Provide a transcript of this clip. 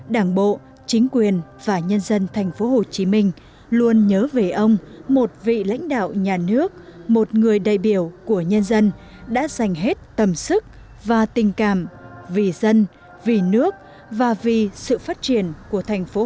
đảng bộ chính quyền và nhân dân tp hcm luôn nhớ về ông một vị lãnh đạo nhà nước một người đại biểu của nhân dân đã dành hết tầm sức và tình cảm vì dân vì nước và vì sự phát triển của tp hcm